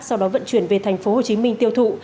sau đó vận chuyển về thành phố hồ chí minh tiêu thụ